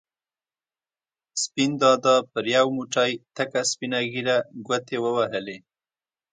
سپین دادا پر یو موټی تکه سپینه ږېره ګوتې ووهلې.